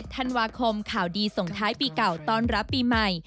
ธันวาคมข่าวดีส่งท้ายปีเก่าต้อนรับปีใหม่